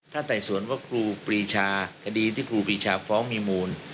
ถ้าไต่สวนว่าครูปรีชาคดีที่ครูปีชาฟ้องมีมูล